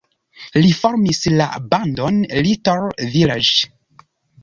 Li formis la bandon Little Village.